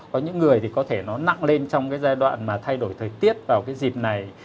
có những người thì có thể nó nặng lên trong cái giai đoạn mà thay đổi thời tiết vào cái dịp này